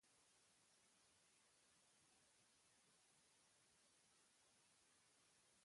Bizitza askoz ere dibertigarriagoa da jarrera irekia dugunean.